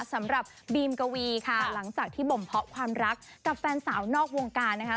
สำหรับบีมกวีค่ะหลังจากที่บ่มเพาะความรักกับแฟนสาวนอกวงการนะคะ